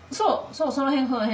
そうその辺その辺。